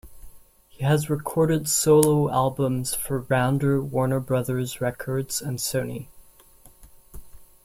He has recorded solo albums for Rounder, Warner Brothers Records, and Sony.